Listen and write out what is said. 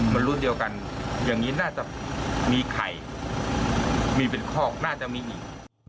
มันรุ่นเดียวกันอย่างนี้น่าจะมีไข่มีเป็นคอกน่าจะมีอีก